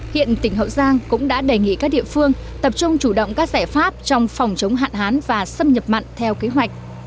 hiện tỉnh hậu giang cũng đã đề nghị các địa phương tập trung chủ động các giải pháp trong phòng chống hạn hán và xâm nhập mặn theo kế hoạch